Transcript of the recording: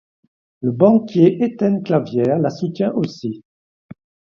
Le banquier Étienne Clavière la soutient aussi.